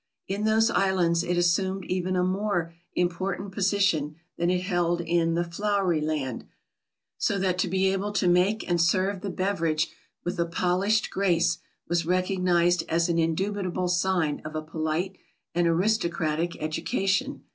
In those islands it assumed even a more important position than it held in the "Flowery Land," so that to be able to make and serve the beverage with a polished grace was recognised as an indubitable sign of a polite and aristocratic education.